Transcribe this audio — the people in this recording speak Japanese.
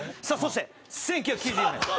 「さあそして」。